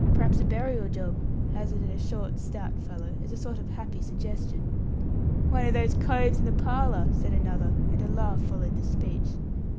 P'r'aps a burial job," hazarded a short, stout fellow, as a sort of happy suggestion. "One of those coves in the parlour!" said another; and a laugh followed the speech.